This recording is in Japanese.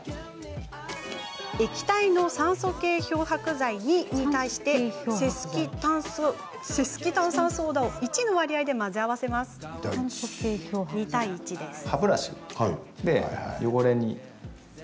液体の酸素系漂白剤２に対してセスキ炭酸ソーダを１の割合で混ぜ合わせます。